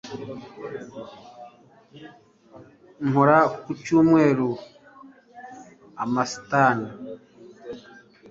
Nkora ku cyumweru Amastan